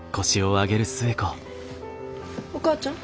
お母ちゃん？